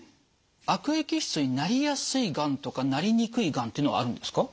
悪液質になりやすいがんとかなりにくいがんっていうのはあるんですか？